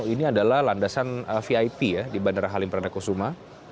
ini adalah landasan vip ya di bandara halim perdana kusuma